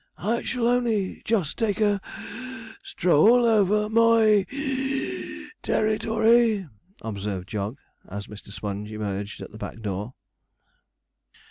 'I shall only just take a (puff) stroll over moy (wheeze) ter ri to ry,' observed Jog, as Mr. Sponge emerged at the back door.